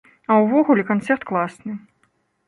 А ўвогуле, канцэрт класны.